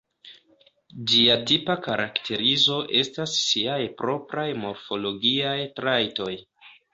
Ĝia tipa karakterizo estas siaj propraj morfologiaj trajtoj.